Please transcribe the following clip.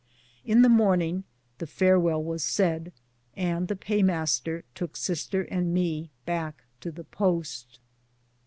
In the morning the farewell was said, and the pay master took sister and me back to the post.